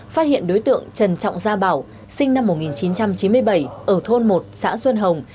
phát hiện đối tượng trần trọng gia bảo sinh năm một nghìn chín trăm chín mươi bảy ở thôn một xã xuân hồng